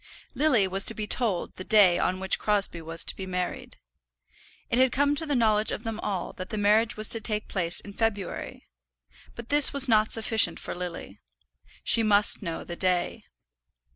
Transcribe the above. Lily was to be told the day on which Crosbie was to be married. It had come to the knowledge of them all that the marriage was to take place in February. But this was not sufficient for Lily. She must know the day.